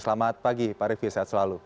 selamat pagi pak revie sehat selalu